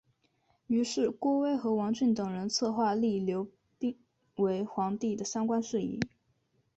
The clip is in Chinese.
于是郭威和王峻等人策划立刘赟为皇帝的相关事宜。